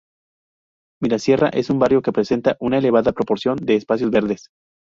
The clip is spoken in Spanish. Mirasierra es un barrio que presenta una elevada proporción de espacios verdes.